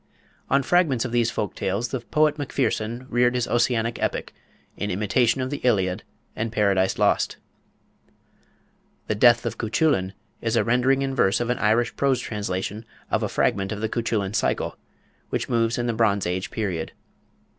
On fragments of these folk tales the poet Macpherson reared his Ossianic epic, in imitation of the Iliad and Paradise Lost. The "Death of Cuchullin" is a rendering in verse of an Irish prose translation of a fragment of the Cuchullin Cycle, which moves in the Bronze Age period.